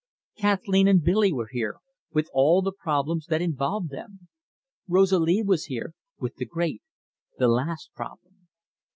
Kathleen and Billy were here, with all the problems that involved them. Rosalie was here, with the great, the last problem.